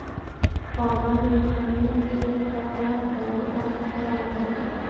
• بادام د ویټامین ای په پرتله د بدن لپاره ګټور دي.